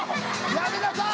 やめなさい！